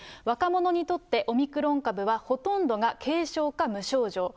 若者にとってオミクロン株はほとんどが軽症か無症状。